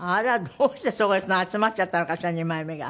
どうして集まっちゃったのかしら二枚目が。